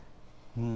うん。